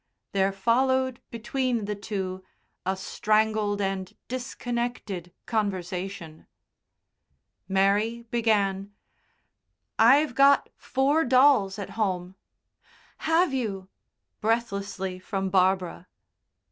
There followed between the two a strangled and disconnected conversation. Mary began: "I've got four dolls at home." "Have you?" breathlessly from Barbara.